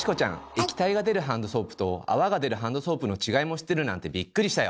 液体が出るハンドソープと泡が出るハンドソープの違いも知ってるなんてびっくりしたよ！